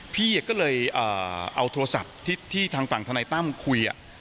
พี่ก็เลยเอาโทรศัพท์ที่ทางฝั่งธนายตั้มคุย